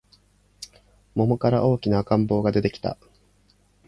桃から大きな赤ん坊が出てきた